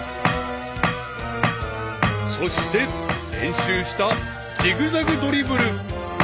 ［そして練習したジグザグドリブル］